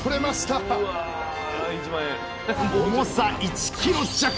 重さ１ｋｇ弱。